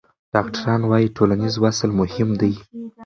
ډاکټران وايي ټولنیز وصل مهم دی.